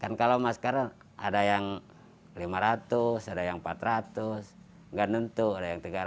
kan kalau masker ada yang lima ratus ada yang empat ratus nggak nentuh ada yang tiga ratus